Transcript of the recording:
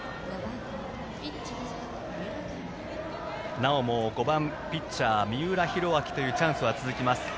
なおも５番、ピッチャー三浦寛明というチャンスは続きます。